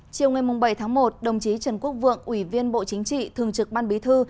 chiều ngày bảy tháng một đồng chí trần quốc vượng ủy viên bộ chính trị thường trực ban bí thư